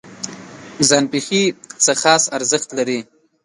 ځان پېښې څه خاص ارزښت لري؟